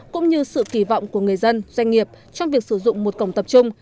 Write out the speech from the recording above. cũng như sự kỳ vọng của người dân doanh nghiệp trong việc sử dụng một cổng tập trung